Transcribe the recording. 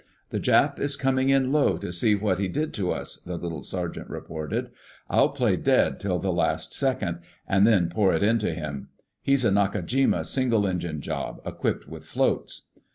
"The Jap is comin' in low to see what he did to us," the little sergeant reported. "I'll play dead till the last second, and then pour it into him. He's a Nakajima single engine job, equipped with floats."